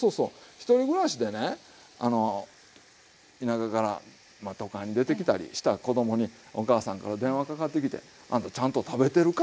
１人暮らしでね田舎から都会に出てきたりした子供にお母さんから電話かかってきて「あんたちゃんと食べてるか？」